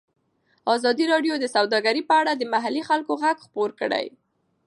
ازادي راډیو د سوداګري په اړه د محلي خلکو غږ خپور کړی.